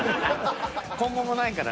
今後もないから。